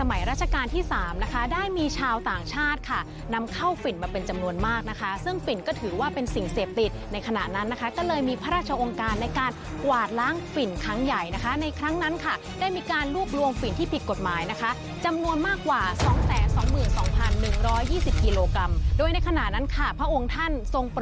สมัยราชการที่๓นะคะได้มีชาวต่างชาติค่ะนำเข้าฝิ่นมาเป็นจำนวนมากนะคะซึ่งฝิ่นก็ถือว่าเป็นสิ่งเสพติดในขณะนั้นนะคะก็เลยมีพระราชองค์การในการกวาดล้างฝิ่นครั้งใหญ่นะคะในครั้งนั้นค่ะได้มีการรวบรวมฝิ่นที่ผิดกฎหมายนะคะจำนวนมากกว่า๒๒๑๒๐กิโลกรัมโดยในขณะนั้นค่ะพระองค์ท่านทรงโปร